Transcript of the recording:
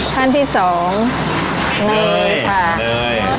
ขั้นที่๒นี่ค่ะ